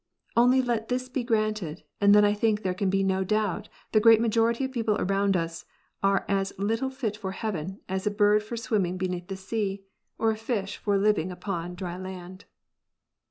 Only let this be granted, and then I think there can be no doubt the great majority of people around us are as little fit for heaven as a bird for swimming beneath the sea, or a fish for living upon dry land.